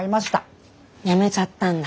辞めちゃったんだ。